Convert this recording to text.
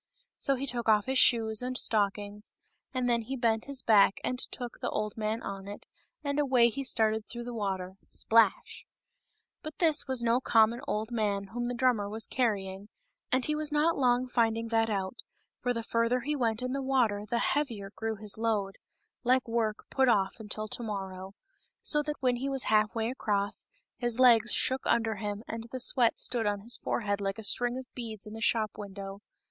So he took off his shoes and stockings, and then he bent his back and took the old man on it, and away he started through the water — splash ! But this was no common old man whom the drummer was carrying, and he was not long finding that out, for the farther he went in the water the heavier grew his load — like work put off until to morrow — so that, when he was half way across, his legs shook under him and the sweat stood on his forehead like a string of beads in the shop window.